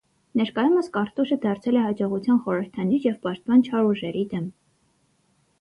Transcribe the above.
Ներկայումս կարտուշը դարձել է հաջողության խորհրդանիշ և պաշտպան չար ուժերի դեմ։